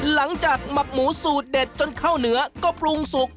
หลังจากหมักหมูสูดเด็ดจนเข้าเหนือก็ปรุงสุก